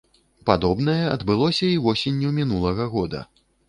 Падобнае адбылося і восенню мінулага года.